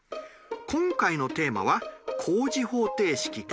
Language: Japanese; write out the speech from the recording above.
今回のテーマは「高次方程式」です。